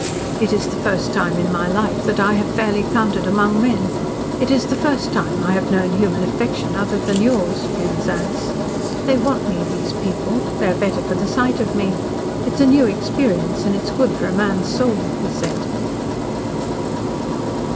"It is the first time in my life that I have fairly counted among men. It's the first time I have known human affection, other than yours, Penzance. They want me, these people; they are better for the sight of me. It is a new experience, and it is good for a man's soul," he said.